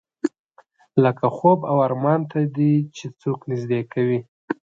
لکه خوب او ارمان ته دې چې څوک نږدې کوي.